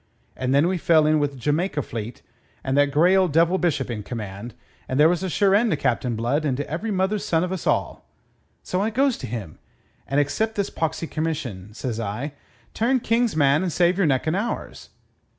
And then we fell in wi' the Jamaica fleet and that grey old devil Bishop in command, and there was a sure end to Captain Blood and to every mother's son of us all. So I goes to him, and 'accept this poxy commission,' says I; 'turn King's man and save your neck and ours.'